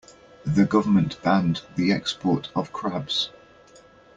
The government banned the export of crabs.